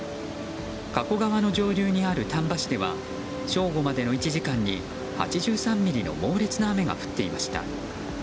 加古川の上流にある丹波市では正午までの１時間に８３ミリの猛烈な雨が降っていました。